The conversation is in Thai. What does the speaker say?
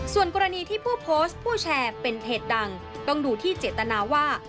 ส่วนกรณีที่ผู้โพสต์ผู้แชร์เป็นเพจดังต้องดูที่เจตนาว่า